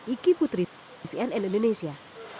iki putri icnn indonesia